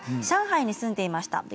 上海に住んでいました。